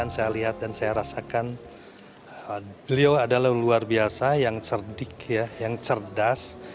saya lihat dan saya rasakan beliau adalah luar biasa yang cerdik yang cerdas